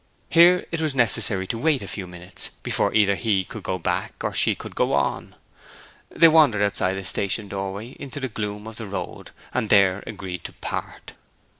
Here it was necessary to wait a few minutes, before either he could go back or she could go on. They wandered outside the station doorway into the gloom of the road, and there agreed to part.